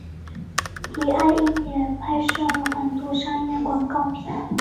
李英爱也拍摄了很多商业广告片。